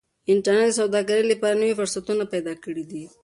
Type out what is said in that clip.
انټرنيټ د سوداګرۍ لپاره نوي فرصتونه پیدا کړي دي.